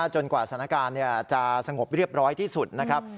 กว่าสถานการณ์จะสงบเรียบร้อยที่สุดนะครับ